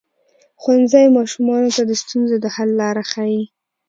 ښوونځی ماشومانو ته د ستونزو د حل لاره ښيي.